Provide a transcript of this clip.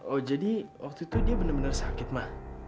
oh jadi waktu itu dia benar benar sakit mah